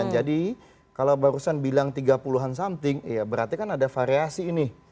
jadi kalau barusan bilang tiga puluh an something ya berarti kan ada variasi ini